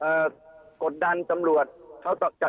เอ่อกดดันสำรวจ